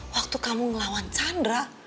waktu kamu ngelawan chandra